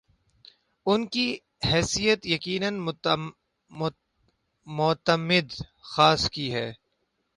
‘ ان کی حیثیت یقینا معتمد خاص کی ہے۔